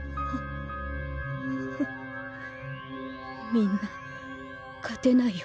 みんな勝てないよ